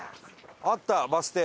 あったバス停。